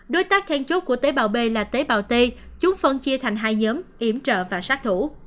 đối tác then chốt của tế bào b là tế bào t chúng phân chia thành hai nhóm yểm trợ và sát thủ